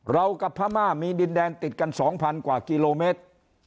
เรากับพม่ามีดินแดนติดกัน๒๐๐กว่ากิโลเมตร